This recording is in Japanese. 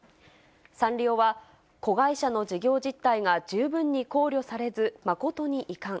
サンリオは、子会社の事業実態が十分に考慮されず、誠に遺憾。